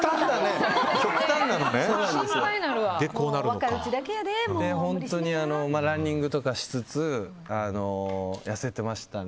それで、本当にランニングとかしつつ痩せてました。